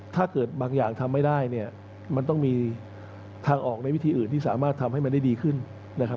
ถ้าเกิดบางอย่างทำไม่ได้เนี่ยมันต้องมีทางออกในวิธีอื่นที่สามารถทำให้มันได้ดีขึ้นนะครับ